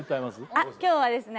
あっ今日はですね